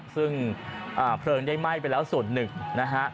ซึ่งเพลิงได้ไหม้ไปแล้วส่วนหนึ่งนะฮะ